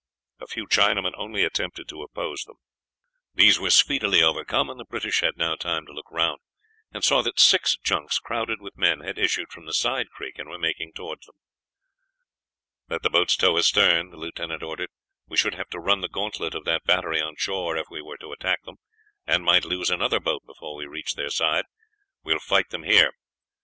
A few Chinamen only attempted to oppose them. These were speedily overcome, and the British had now time to look round, and saw that six junks crowded with men had issued from the side creek and were making towards them. "Let the boats tow astern," the lieutenant ordered. "We should have to run the gantlet of that battery on shore if we were to attack them, and might lose another boat before we reached their side. We will fight them here."